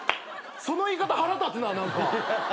その言い方腹立つな何か。